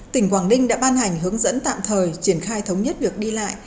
tỉnh quảng ninh đã ban hành hướng dẫn tạm thời triển khai thống nhất việc đi lại